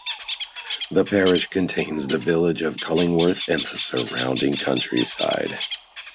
The parish contains the village of Cullingworth and the surrounding countryside.